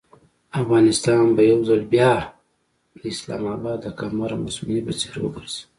افغانستان به یو ځل بیا د اسلام اباد د قمر مصنوعي په څېر وګرځي.